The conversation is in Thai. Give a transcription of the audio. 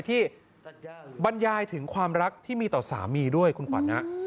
บรรยายถึงความรักที่มีต่อสามีด้วยคุณขวัญนะ